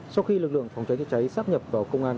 sau khi lực lượng phòng cháy chữa cháy sắp nhập vào công an